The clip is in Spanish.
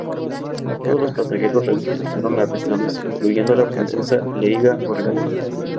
Todos los pasajeros rebeldes fueron arrestados, incluyendo a la princesa Leia Organa.